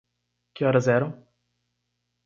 Que horas eram?